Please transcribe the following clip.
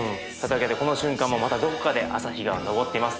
この瞬間もまたどこかで朝日が昇っています。